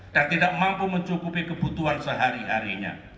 dan tidak mampu mencukupi kebutuhan sehari harinya